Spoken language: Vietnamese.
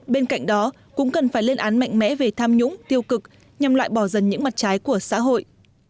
bên cạnh đó cũng cần phải lên án mạnh mẽ về tham nhũng tiêu cực nhằm loại bỏ dần những mặt trái của xã hội